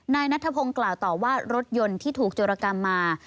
นายนัทธพงศ์กล่าวต่อว่ารถยนต์ที่ถูกโจรกรรมมา